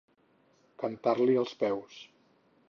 Cantar-li els peus.